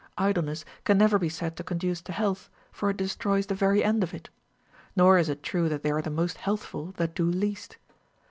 Idleness can never be said to con duce to health, for it destroys the very end of it. Ί^ογ is it true that they are the most healthful that do least.